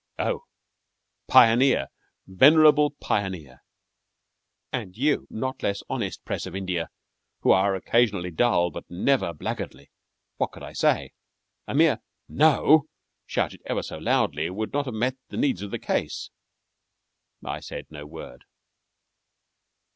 Oh! "Pioneer," venerable "Pioneer," and you not less honest press of India, who are occasionally dull but never blackguardly, what could I say? A mere "No," shouted never so loudly, would not have met the needs of the case. I said no word.